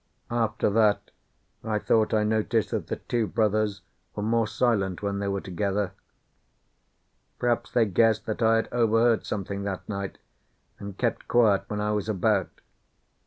After that I thought I noticed that the two brothers were more silent when they were together. Perhaps they guessed that I had overheard something that night, and kept quiet when I was about.